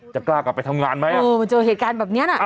จะกล้ากลับไปทำงานไหมเออมันเจอเหตุการณ์แบบนี้น่ะ